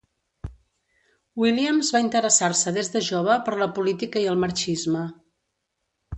Williams va interessar-se des de jove per la política i el marxisme.